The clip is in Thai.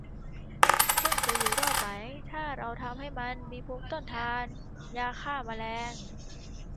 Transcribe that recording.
ผึ้งจะอยู่รอดไหมถ้าเราทำให้พวกมันมีภูมิต้นทานยาฆ่าแมลง